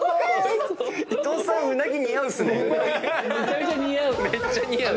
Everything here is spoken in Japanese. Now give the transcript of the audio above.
めちゃめちゃ似合う。